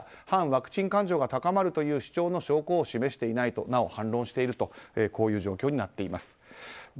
反ワクチン感情が高まるという主張の証拠を示していないとなお反論しているという状況になっています。